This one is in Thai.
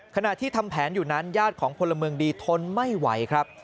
ขณะที่ทำแผนอยู่นั้นญาติของพลเมืองดีทนไม่ไหวครับ